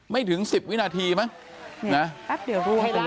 ไม่ถึง๑๐วินาทีมั้ย